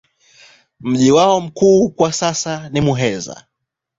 Mji wao mkuu kwa sasa ni Muheza.